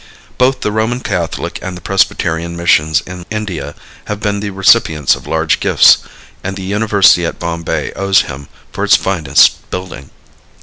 Both the Roman Catholic and the Presbyterian missions in India have been the recipients of large gifts, and the university at Bombay owes him for its finest building.